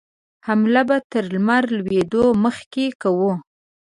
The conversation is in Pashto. حمله به تر لمر لوېدو مخکې کوو.